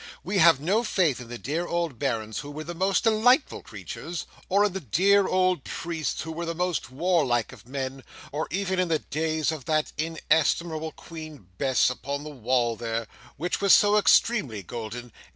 "We have no Faith in the dear old Barons, who were the most delightful creatures—or in the dear old Priests, who were the most warlike of men—or even in the days of that inestimable Queen Bess, upon the wall there, which were so extremely golden.